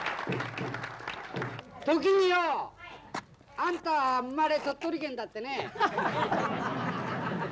あんた生まれ鳥取県だってね。